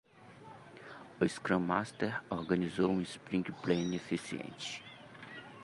O scrum master organizou um sprint planning eficiente.